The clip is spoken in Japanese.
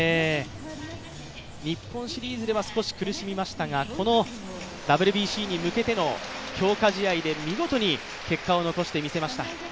日本シリーズでは少し苦しみましたが、このＷＢＣに向けての強化試合で見事に結果を残して見せました。